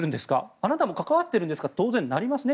あなたも関わっているんですかと当然なりますね。